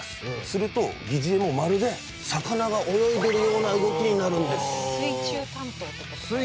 すると擬似餌もまるで魚が泳いでいるような動きになるんです